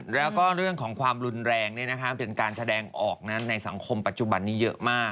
แล้วก็เรื่องของความรุนแรงเป็นการแสดงออกในสังคมปัจจุบันนี้เยอะมาก